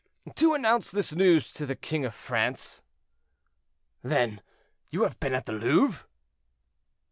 "To announce this news to the king of France." "Then you have been at the Louvre?"